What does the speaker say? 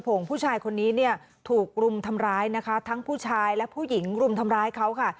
ผู้ชายคนนี้เนี่ยถูกรุมทำร้ายนะคะทั้งผู้ชายและผู้หญิงรุมทำร้ายเขาค่ะ